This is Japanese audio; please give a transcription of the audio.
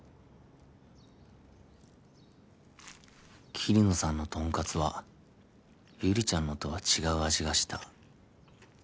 桐野さんのとんかつはゆりちゃんのとは違う味がした